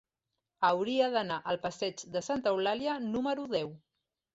Hauria d'anar al passeig de Santa Eulàlia número deu.